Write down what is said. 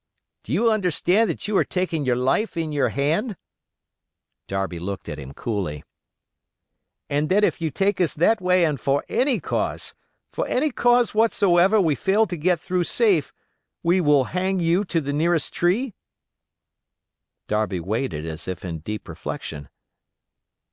"Do you understand that you are taking your life in your hand?" Darby looked at him coolly. "And that if you take us that way and for any cause—for any cause whatsoever we fail to get through safe, we will hang you to the nearest tree?" Darby waited as if in deep reflection.